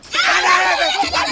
tangan gitu wien